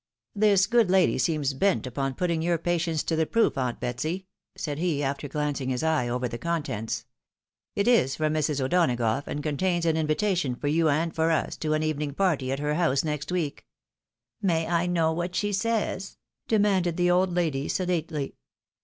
" This good lady seems bent upon putting your patience to the proof, aunt Betsy," said he, after glancing his eye over the contents. " It is from Mrs. O'Donagough, and contains an invitation for you and for us to an evening party, at her house next week." " May I know what she says ?" demanded the old lady, sedately.